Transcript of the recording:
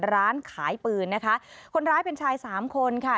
ร้านขายปืนนะคะคนร้ายเป็นชายสามคนค่ะ